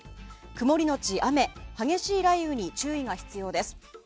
曇りのち雨激しい雷雨に注意が必要です。